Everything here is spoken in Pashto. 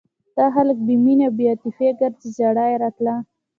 دا خلک بې مینې او بې عاطفې ګرځي ژړا یې راتله.